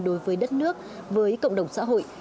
đối với đất nước với cộng đồng xã hội